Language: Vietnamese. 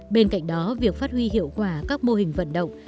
bên cạnh đó việc phát huy hiệu quả các mô hình vận động